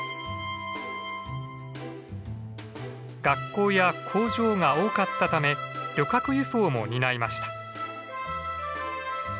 学校や工場が多かったため旅客輸送も担いました。